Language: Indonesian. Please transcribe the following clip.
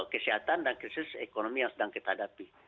kesehatan dan krisis ekonomi yang sedang kita hadapi